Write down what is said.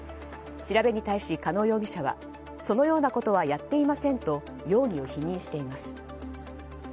調べに対し、加納容疑者はそのようなことはやっていませんと容疑を否認しています。